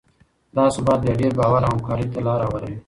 دا ثبات بیا ډیر باور او همکارۍ ته لاره هواروي.